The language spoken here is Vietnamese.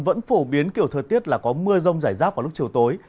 vẫn phổ biến kiểu thời tiết là có mưa rông rải rác vào lúc chiều tối